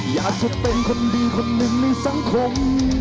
อยากจะเป็นคนดีคนหนึ่งในสังคม